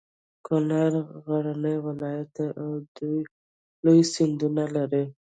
کنړ غرنی ولایت ده او دوه لوی سیندونه لري.